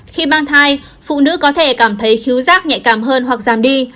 khi mang thai phụ nữ có thể cảm thấy khíu giác nhạy cảm hơn hoặc giảm đi